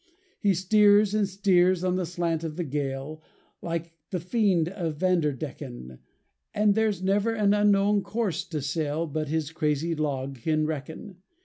He steers and steers on the slant of the gale, Like the fiend or Vanderdecken; And there's never an unknown course to sail But his crazy log can reckon.